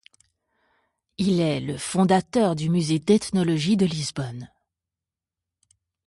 Il est le fondateur du Musée d'Ethnologie de Lisbonne.